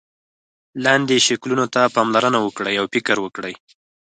لاندې شکلونو ته پاملرنه وکړئ او فکر وکړئ.